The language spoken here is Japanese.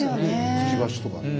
くちばしとか。